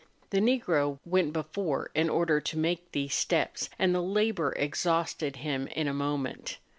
The Negro went before in order to make these steps, and the labour exhausted him in a moment.